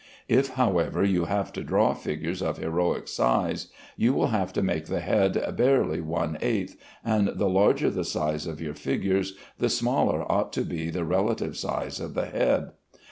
If, however, you have to draw figures of heroic size, you will have to make the head barely one eighth, and the larger the size of your figures the smaller ought to be the relative size of the head.